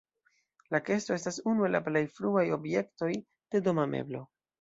La kesto estas unu el la plej fruaj objektoj de doma meblo.